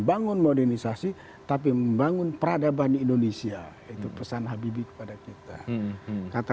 bangun modernisasi tapi membangun peradaban indonesia itu pesan habibie kepada kita kata